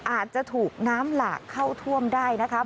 อาจจะถูกน้ำหลากเข้าท่วมได้นะคะ